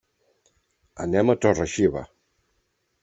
Anem a Torre-xiva.